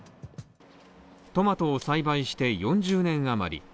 トマトを栽培して４０年余り。